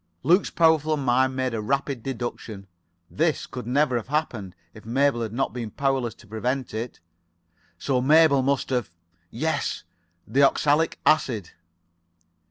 Luke's powerful mind made a rapid deduction. This [Pg 80]could never have happened if Mabel had not been powerless to prevent it. So Mabel must have ... Yes, the oxalic acid.